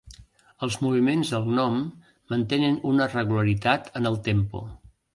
Els moviments del gnom mantenen una regularitat en el tempo.